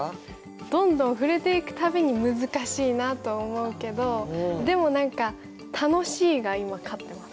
どんどん触れていく度に難しいなと思うけどでも何か「楽しい」が今勝ってます。